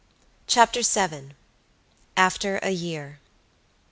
CHAPTER VII. AFTER A YEAR.